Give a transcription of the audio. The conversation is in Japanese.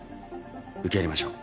受け入れましょう。